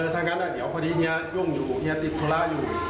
ถ้างั้นเดี๋ยวพอดีเฮียยุ่งอยู่เมียติดธุระอยู่